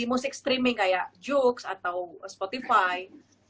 di musik streaming kayak jooks atau spotify